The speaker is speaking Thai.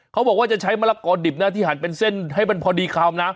เขาบอกว่าจะใช้มะละกอดิบนะที่หันเป็นเส้นให้มันพอดีคำนะ